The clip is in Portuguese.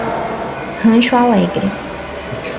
Rancho Alegre